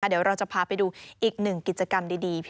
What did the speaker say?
เดี๋ยวเราจะพาไปดูอีกหนึ่งกิจกรรมดี